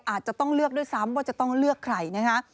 อาจจะต้องเลือกด้วยซ้ำว่าจะต้องเลือกใครนะคะ